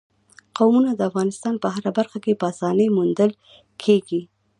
قومونه د افغانستان په هره برخه کې په اسانۍ موندل کېږي.